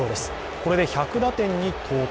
これで１００打点に到達。